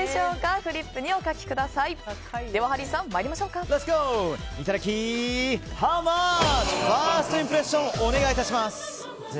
ファーストインプレッションお願いいたします。